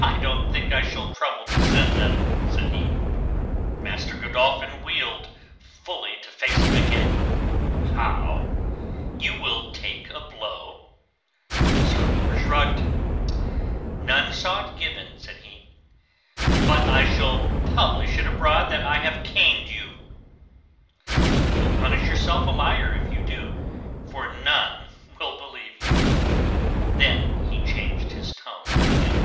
"I don't think I shall trouble to send them," said he. Master Godolphin wheeled, fully to face him again. "How? You will take a blow?" Sir Oliver shrugged. "None saw it given," said he. "But I shall publish it abroad that I have caned you." "You'll publish yourself a liar if you do; for none will believe you." Then he changed his tone yet again.